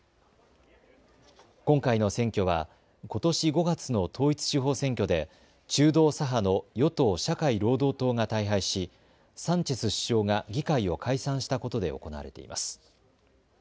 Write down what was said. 今回の選挙はことし５月の統一地方選挙で中道左派の与党・社会労働党が大敗しサンチェス首相が議会を解散したことで行われています。